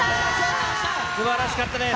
すばらしかったです。